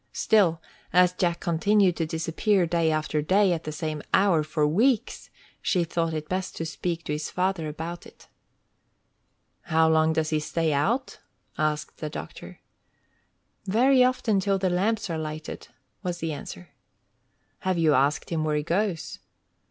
Still, as Jack continued to disappear, day after day, at the same hour, for weeks, she thought it best to speak to his father about it. "How long does he stay out?" asked the doctor. "Very often till the lamps are lighted," was the answer. "Have you asked him where he goes?"